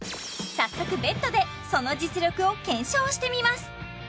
早速ベッドでその実力を検証してみます